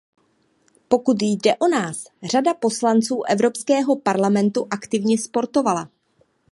Pokud jde o nás, řada poslanců Evropského parlamentu aktivně sportovala.